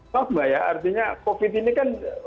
maaf mbak ya artinya covid ini kan